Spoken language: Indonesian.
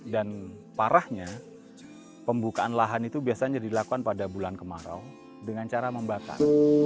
parahnya pembukaan lahan itu biasanya dilakukan pada bulan kemarau dengan cara membakar